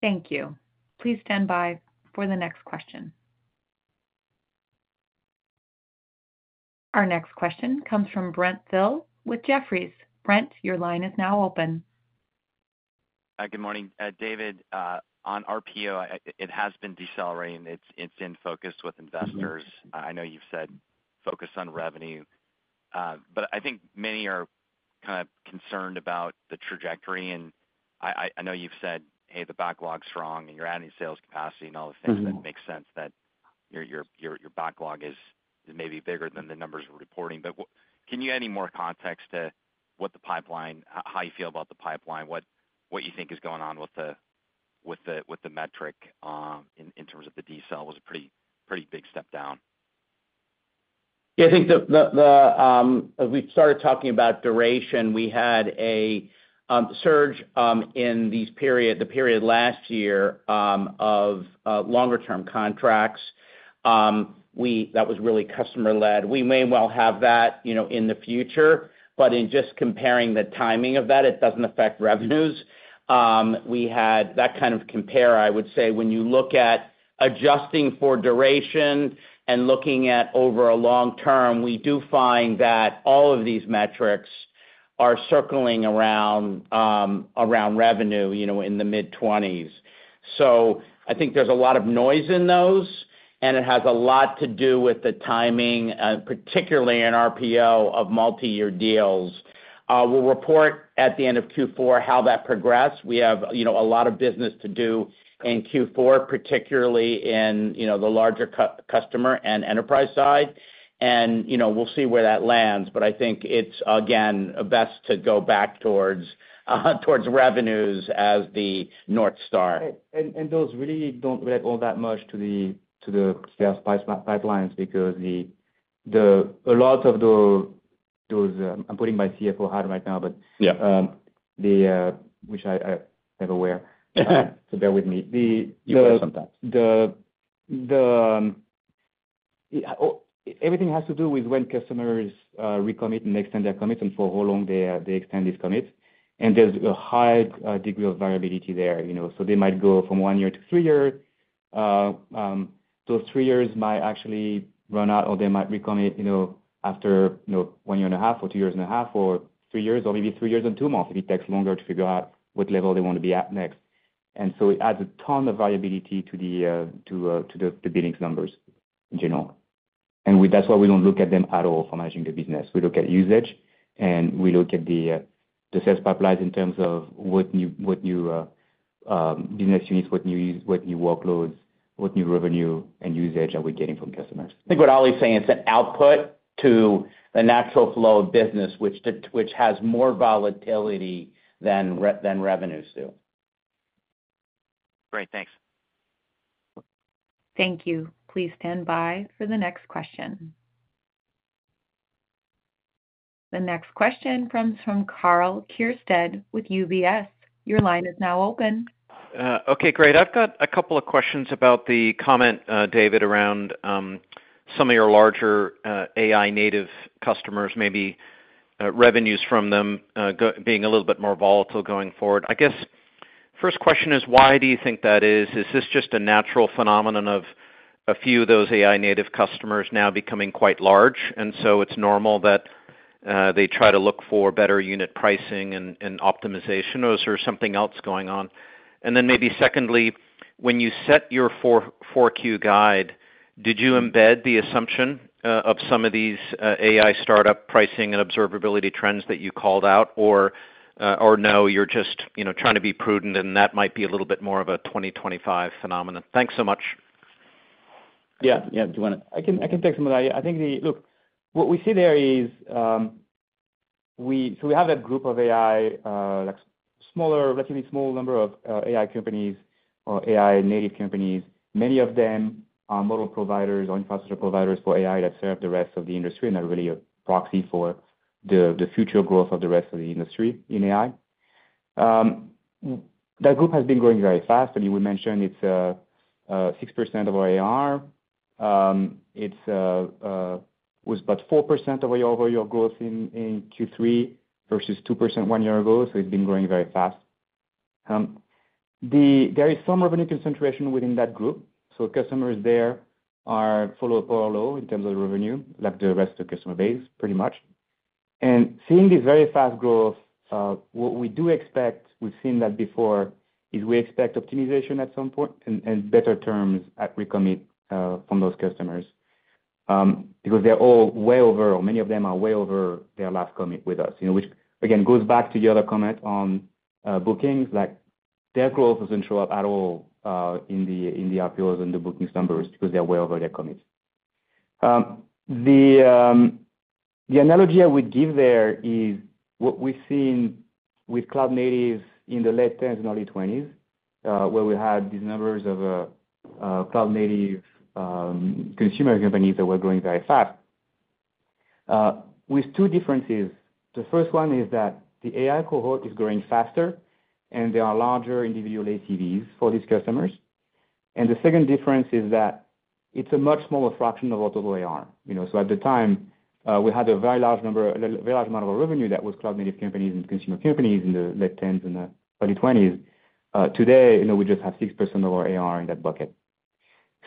Speaker 1: Thank you. Please stand by for the next question. Our next question comes from Brent Thill with Jefferies. Brent, your line is now open.
Speaker 9: Hi, good morning. David, on RPO, it has been decelerating. It's in focus with investors. I know you've said focus on revenue. But I think many are kind of concerned about the trajectory. And I know you've said, "Hey, the backlog's strong," and you're adding sales capacity and all the things that make sense that your backlog is maybe bigger than the numbers we're reporting. But can you add any more context to how you feel about the pipeline, what you think is going on with the metric in terms of the decel was a pretty big step down?
Speaker 5: Yeah, I think as we started talking about duration, we had a surge in the period last year of longer-term contracts that was really customer-led. We may well have that in the future, but in just comparing the timing of that, it doesn't affect revenues. That kind of compare, I would say, when you look at adjusting for duration and looking at over a long term, we do find that all of these metrics are circling around revenue in the mid-20s. So I think there's a lot of noise in those, and it has a lot to do with the timing, particularly in RPO of multi-year deals. We'll report at the end of Q4 how that progressed. We have a lot of business to do in Q4, particularly in the larger customer and enterprise side. And we'll see where that lands. But I think it's, again, best to go back towards revenues as the North star. And those really don't relate all that much to the sales pipelines because a lot of those I'm putting my CFO hat right now, but which I never wear. So bear with me. You wear sometimes. Everything has to do with when customers recommit and extend their commitment for how long they extend these commits. And there's a high degree of variability there. So they might go from one year to three years. Those three years might actually run out, or they might recommit after one year and a half or two years and a half or three years or maybe three years and two months if it takes longer to figure out what level they want to be at next. And so it adds a ton of variability to the billing numbers in general. And that's why we don't look at them at all for managing the business. We look at usage, and we look at the sales pipelines in terms of what new business units, what new workloads, what new revenue and usage are we getting from customers. I think what Ollie's saying is an output to the natural flow of business, which has more volatility than revenues do.
Speaker 9: Great. Thanks.
Speaker 1: Thank you. Please stand by for the next question. The next question comes from Karl Keirstead with UBS. Your line is now open.
Speaker 10: Okay, great. I've got a couple of questions about the comment, David, around some of your larger AI-native customers, maybe revenues from them being a little bit more volatile going forward. I guess first question is, why do you think that is? Is this just a natural phenomenon of a few of those AI-native customers now becoming quite large? And so it's normal that they try to look for better unit pricing and optimization, or is there something else going on? And then maybe secondly, when you set your 4Q guide, did you embed the assumption of some of these AI startup pricing and observability trends that you called out, or no, you're just trying to be prudent, and that might be a little bit more of a 2025 phenomenon? Thanks so much.
Speaker 5: Yeah. Yeah. Do you want to? I can take some of that. I think, look, what we see there is so we have a group of AI, a relatively small number of AI companies or AI-native companies. Many of them are model providers or infrastructure providers for AI that serve the rest of the industry and are really a proxy for the future growth of the rest of the industry in AI. That group has been growing very fast. I mean, we mentioned it's 6% of our ARR. It was about 4% of our overall growth in Q3 versus 2% one year ago. So it's been growing very fast. There is some revenue concentration within that group. So customers there are few or low in terms of revenue, like the rest of the customer base, pretty much. And seeing this very fast growth, what we do expect, we've seen that before, is we expect optimization at some point and better terms at recommit from those customers because they're all way over, or many of them are way over their last commit with us, which, again, goes back to the other comment on bookings. Their growth doesn't show up at all in the RPOs and the bookings numbers because they're way over their commits. The analogy I would give there is what we've seen with cloud-native companies in the late 2010s and early 2020s, where we had these numbers of cloud-native consumer companies that were growing very fast. With two differences. The first one is that the AI cohort is growing faster, and there are larger individual ACVs for these customers. And the second difference is that it's a much smaller fraction of our total AR. So at the time, we had a very large amount of revenue that was cloud-native companies and consumer companies in the late 10s and early 20s. Today, we just have 6% of our AR in that bucket.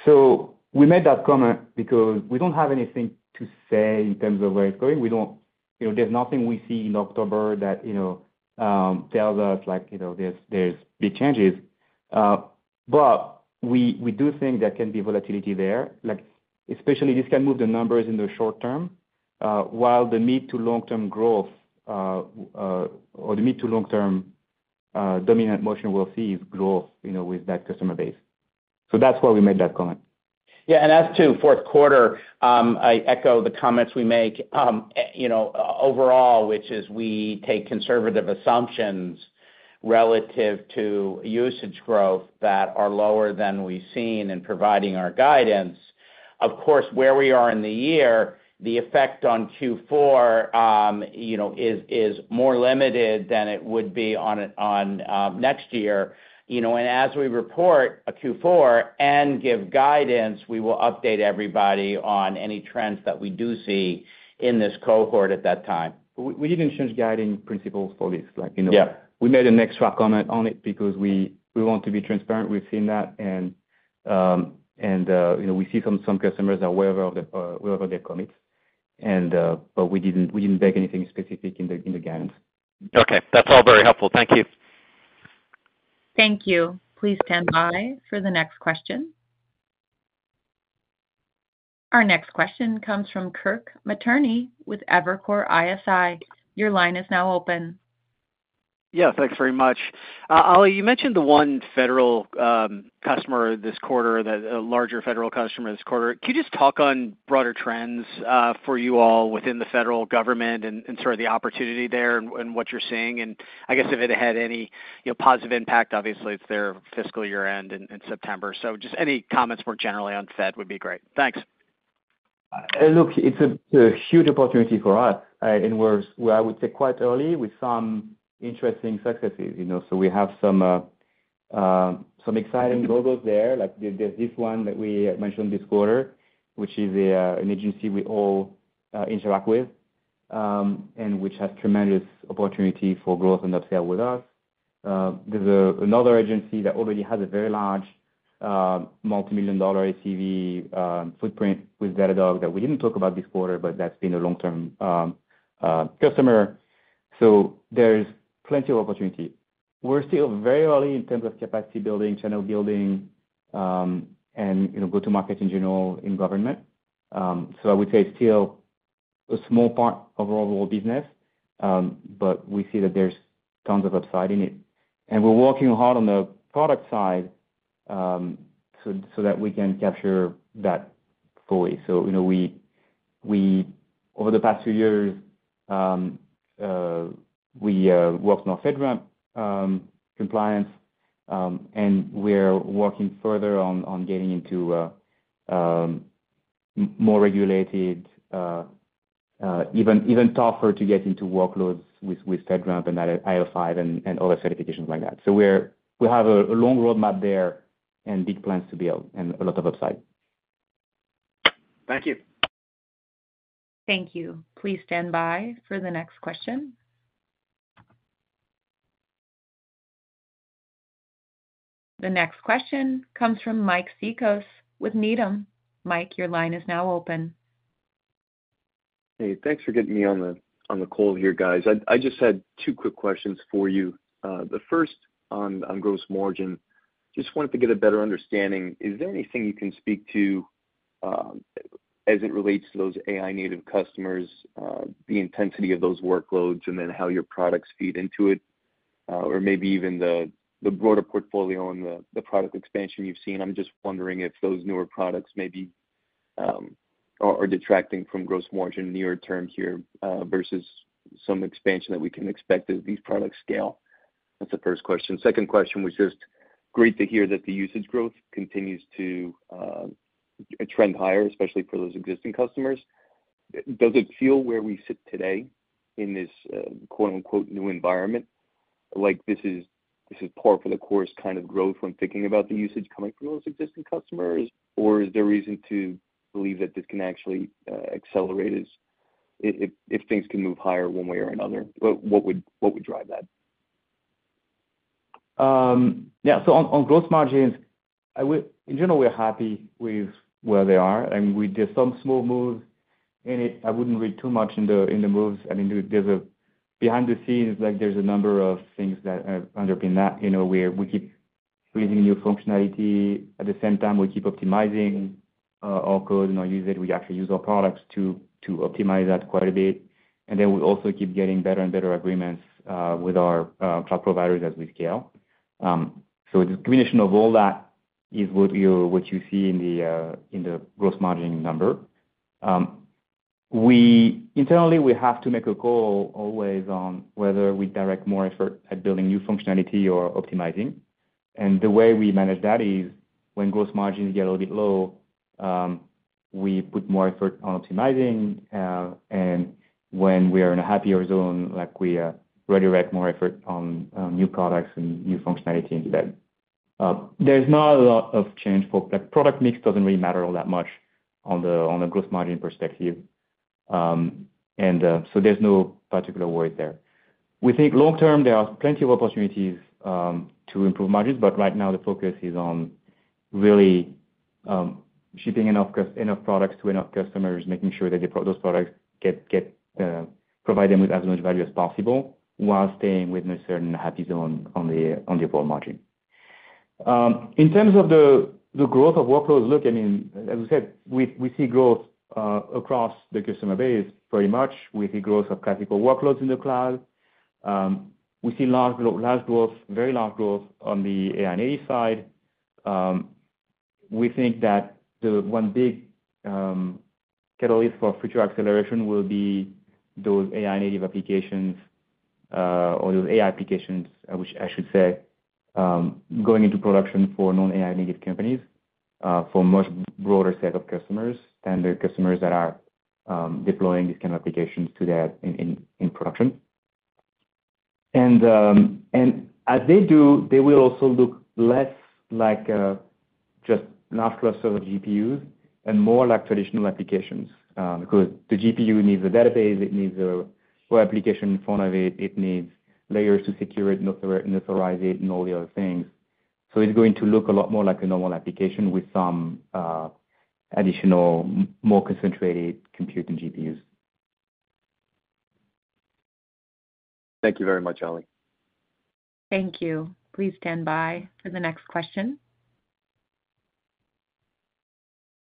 Speaker 5: So we made that comment because we don't have anything to say in terms of where it's going. There's nothing we see in October that tells us there's big changes. But we do think there can be volatility there, especially this can move the numbers in the short term, while the mid to long-term growth or the mid to long-term dominant motion we'll see is growth with that customer base. So that's why we made that comment.
Speaker 3: Yeah. And as to fourth quarter, I echo the comments we make overall, which is we take conservative assumptions relative to usage growth that are lower than we've seen in providing our guidance. Of course, where we are in the year, the effect on Q4 is more limited than it would be on next year. And as we report a Q4 and give guidance, we will update everybody on any trends that we do see in this cohort at that time. We didn't change guiding principles for this. We made an extra comment on it because we want to be transparent. We've seen that. And we see some customers are aware of their commits. But we didn't flag anything specific in the guidance.
Speaker 10: Okay. That's all very helpful. Thank you.
Speaker 1: Thank you. Please stand by for the next question. Our next question comes from Kirk Materne with Evercore ISI. Your line is now open.
Speaker 11: Yeah. Thanks very much. Oli, you mentioned the one federal customer this quarter, a larger federal customer this quarter. Can you just talk on broader trends for you all within the federal government and sort of the opportunity there and what you're seeing? And I guess if it had any positive impact, obviously, it's their fiscal year-end in September. So just any comments more generally on Fed would be great. Thanks.
Speaker 3: Look, it's a huge opportunity for us. And we're, I would say, quite early with some interesting successes. So we have some exciting logos there. There's this one that we mentioned this quarter, which is an agency we all interact with and which has tremendous opportunity for growth and upscale with us. There's another agency that already has a very large multi-million dollar ACV footprint with Datadog that we didn't talk about this quarter, but that's been a long-term customer. So there's plenty of opportunity. We're still very early in terms of capacity building, channel building, and go-to-market in general in government. So I would say it's still a small part of our whole business, but we see that there's tons of upside in it. And we're working hard on the product side so that we can capture that fully. So over the past few years, we worked on our FedRAMP compliance, and we're working further on getting into more regulated, even tougher to get into workloads with FedRAMP and IL5 and other certifications like that. So we have a long roadmap there and big plans to build and a lot of upside.
Speaker 11: Thank you.
Speaker 1: Thank you. Please stand by for the next question. The next question comes from Mike Cikos with Needham. Mike, your line is now open.
Speaker 12: Hey, thanks for getting me on the call here, guys. I just had two quick questions for you. The first on gross margin. Just wanted to get a better understanding. Is there anything you can speak to as it relates to those AI-native customers, the intensity of those workloads, and then how your products feed into it, or maybe even the broader portfolio and the product expansion you've seen? I'm just wondering if those newer products maybe are detracting from gross margin near term here versus some expansion that we can expect as these products scale. That's the first question. Second question was just great to hear that the usage growth continues to trend higher, especially for those existing customers. Does it feel where we sit today in this "new environment" like this is par for the course kind of growth when thinking about the usage coming from those existing customers, or is there a reason to believe that this can actually accelerate if things can move higher one way or another? What would drive that?
Speaker 3: Yeah. So on gross margins, in general, we're happy with where they are. And there's some small moves in it. I wouldn't read too much in the moves. I mean, behind the scenes, there's a number of things that have underpinned that. We keep releasing new functionality. At the same time, we keep optimizing our code and our usage. We actually use our products to optimize that quite a bit. And then we also keep getting better and better agreements with our cloud providers as we scale. So the combination of all that is what you see in the gross margin number. Internally, we have to make a call always on whether we direct more effort at building new functionality or optimizing. And the way we manage that is when gross margins get a little bit low, we put more effort on optimizing. And when we are in a happier zone, we redirect more effort on new products and new functionality instead. There's not a lot of change for product mix. It doesn't really matter all that much on the gross margin perspective. And so there's no particular worry there. We think long-term, there are plenty of opportunities to improve margins, but right now, the focus is on really shipping enough products to enough customers, making sure that those products provide them with as much value as possible while staying within a certain happy zone on the overall margin. In terms of the growth of workloads, look, I mean, as we said, we see growth across the customer base pretty much. We see growth of classical workloads in the cloud. We see large growth, very large growth on the AI-native side. We think that one big catalyst for future acceleration will be those AI-native applications or those AI applications, which I should say, going into production for non-AI-native companies for a much broader set of customers than the customers that are deploying these kinds of applications to that in production. And as they do, they will also look less like just large clusters of GPUs and more like traditional applications because the GPU needs a database. It needs a web application in front of it. It needs layers to secure it, neutralize it, and all the other things. So it's going to look a lot more like a normal application with some additional more concentrated compute and GPUs.
Speaker 12: Thank you very much, Oli.
Speaker 1: Thank you. Please stand by for the next question.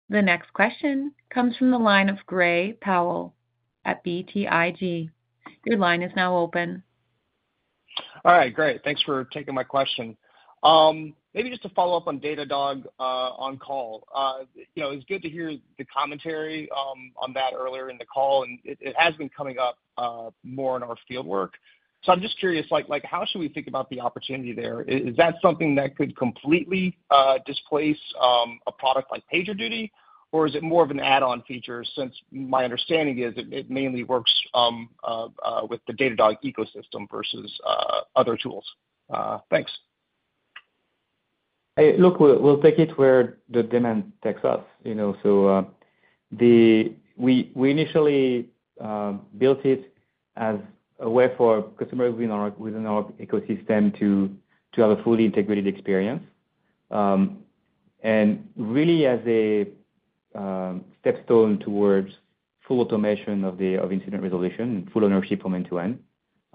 Speaker 1: The next question comes from the line of Gray Powell at BTIG. Your line is now open.
Speaker 13: All right. Great. Thanks for taking my question. Maybe just to follow up on Datadog On Call. It's good to hear the commentary on that earlier in the call. And it has been coming up more in our fieldwork. So I'm just curious, how should we think about the opportunity there? Is that something that could completely displace a product like PagerDuty, or is it more of an add-on feature since my understanding is it mainly works with the Datadog ecosystem versus other tools?
Speaker 3: Thanks. Look, we'll take it where the demand takes us. So we initially built it as a way for customers within our ecosystem to have a fully integrated experience and really as a stepping stone towards full automation of incident resolution and full ownership from end to end.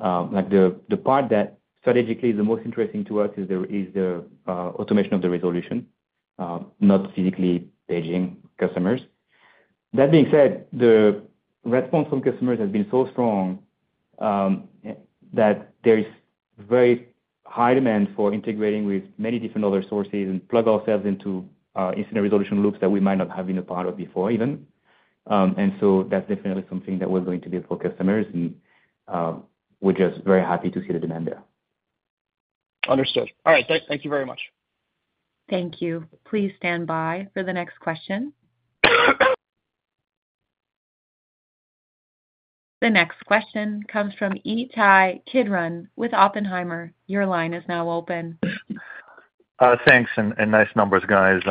Speaker 3: The part that strategically is the most interesting to us is the automation of the resolution, not physically paging customers. That being said, the response from customers has been so strong that there is very high demand for integrating with many different other sources and plug ourselves into incident resolution loops that we might not have been a part of before even. And so that's definitely something that we're going to build for customers. And we're just very happy to see the demand there.
Speaker 13: Understood. All right. Thank you very much.
Speaker 1: Thank you. Please stand by for the next question. The next question comes from Ittai Kidron with Oppenheimer. Your line is now open.
Speaker 14: Thanks. And nice numbers, guys.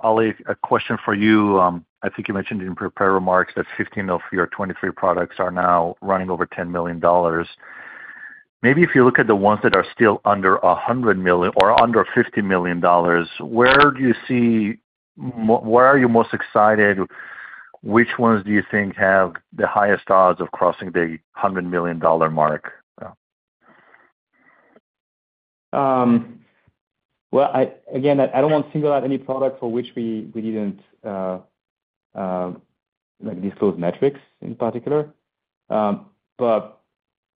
Speaker 14: Ali, a question for you. I think you mentioned in prepared remarks that 15 of your 23 products are now running over $10 million. Maybe if you look at the ones that are still under $100 million or under $50 million, where do you see where are you most excited? Which ones do you think have the highest odds of crossing the $100 million mark?
Speaker 3: Well, again, I don't want to single out any product for which we didn't disclose metrics in particular. But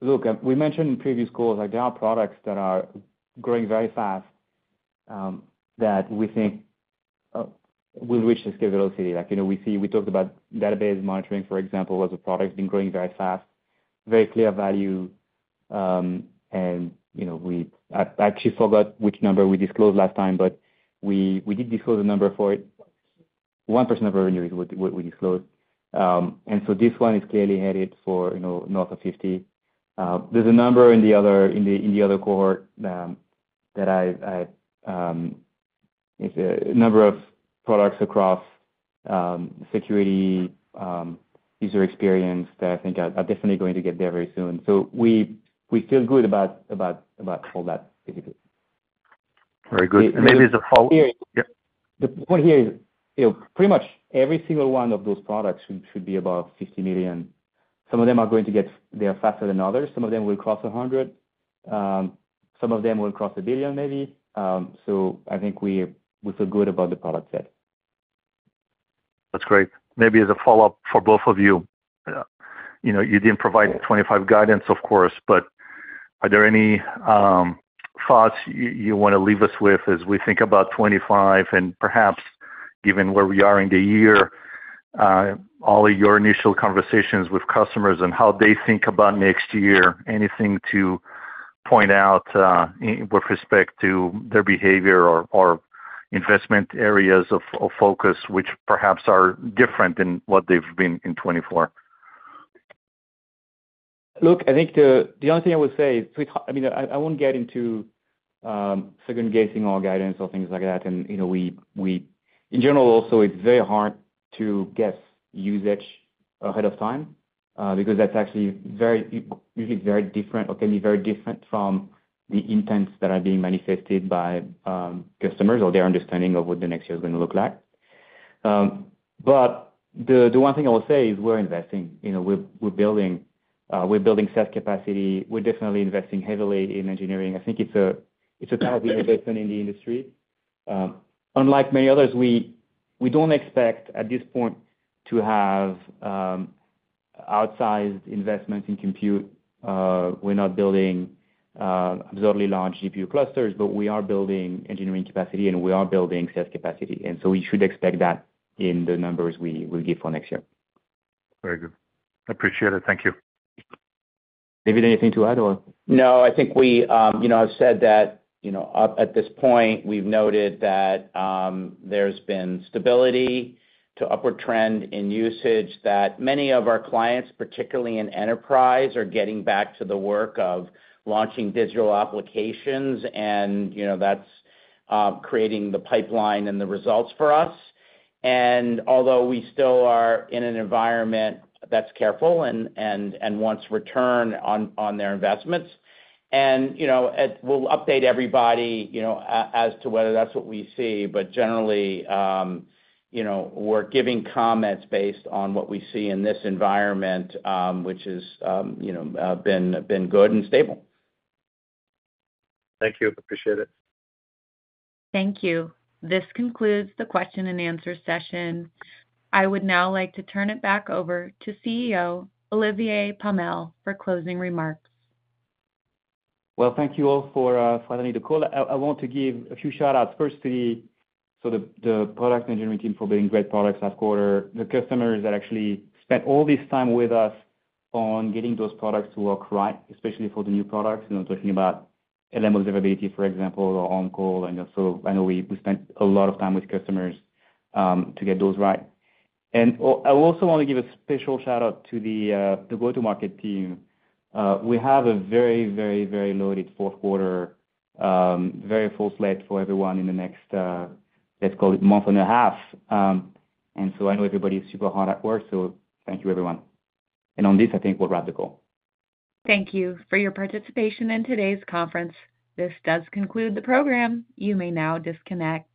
Speaker 3: look, we mentioned in previous calls there are products that are growing very fast that we think will reach the scalability. We talked about Database Monitoring, for example, as a product has been growing very fast, very clear value. And I actually forgot which number we disclosed last time, but we did disclose a number for it. 1% of revenue is what we disclosed. And so this one is clearly headed for north of $50 million. There's a number in the other cohort that, a number of products across security, user experience that I think are definitely going to get there very soon. So we feel good about all that, basically. Very good. And maybe the follow-up. The point here is pretty much every single one of those products should be above $50 million. Some of them are going to get there faster than others. Some of them will cross 100. Some of them will cross a billion, maybe. I think we feel good about the product set.
Speaker 14: That's great. Maybe as a follow-up for both of you. You didn't provide 2025 guidance, of course, but are there any thoughts you want to leave us with as we think about 2025 and perhaps given where we are in the year, Ali, your initial conversations with customers and how they think about next year, anything to point out with respect to their behavior or investment areas of focus which perhaps are different than what they've been in 2024?
Speaker 3: Look, I think the only thing I would say is, I mean, I won't get into second-guessing our guidance or things like that. And in general, also, it's very hard to guess usage ahead of time because that's actually usually very different or can be very different from the intents that are being manifested by customers or their understanding of what the next year is going to look like. But the one thing I will say is we're investing. We're building SaaS capacity. We're definitely investing heavily in engineering. I think it's a kind of innovation in the industry. Unlike many others, we don't expect at this point to have outsized investments in compute. We're not building absurdly large GPU clusters, but we are building engineering capacity, and we are building SaaS capacity. And so we should expect that in the numbers we give for next year.
Speaker 14: Very good. Appreciate it. Thank you.
Speaker 3: David, anything to add or?
Speaker 5: No, I think we have said that at this point, we've noted that there's been stability to upward trend in usage that many of our clients, particularly in enterprise, are getting back to the work of launching digital applications, and that's creating the pipeline and the results for us. And although we still are in an environment that's careful and wants return on their investments, and we'll update everybody as to whether that's what we see, but generally, we're giving comments based on what we see in this environment, which has been good and stable.
Speaker 14: Thank you. Appreciate it.
Speaker 1: Thank you. This concludes the question-and-answer session. I would now like to turn it back over to CEO Olivier Pomel for closing remarks.
Speaker 3: Well, thank you all for letting me do the call. I want to give a few shout-outs first to the product engineering team for building great products last quarter, the customers that actually spent all this time with us on getting those products to work right, especially for the new products. I'm talking about LLM Observability, for example, or On-Call. And so I know we spent a lot of time with customers to get those right. And I also want to give a special shout-out to the go-to-market team. We have a very, very, very loaded fourth quarter, very full slate for everyone in the next, let's call it, month and a half. And so I know everybody is super hard at work. So thank you, everyone. And on this, I think we'll wrap the call.
Speaker 1: Thank you for your participation in today's conference. This does conclude the program. You may now disconnect.